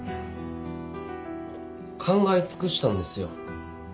考え尽くしたんですよ。